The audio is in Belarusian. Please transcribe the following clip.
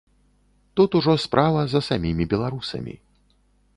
Тут ужо справа за самімі беларусамі.